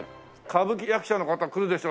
歌舞伎役者の方来るでしょう。